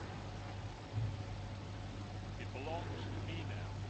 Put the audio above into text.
It belongs to me now.